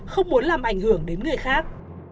không muốn làm ảnh hưởng đến người khác